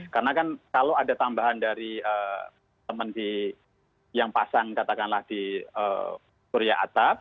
karena kan kalau ada tambahan dari teman yang pasang katakanlah di puria atap